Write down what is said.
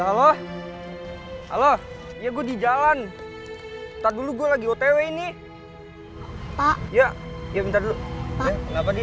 allah halo ya gue di jalan tak dulu gue lagi otw ini pak ya ya bentar dulu nggak pagi